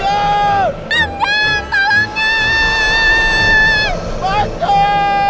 om jinn datang bonsul